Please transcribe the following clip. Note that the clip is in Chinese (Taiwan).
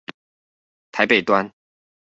台北端